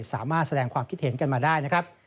สามารถแสดงความคิดเห็นกันมาได้นะครับ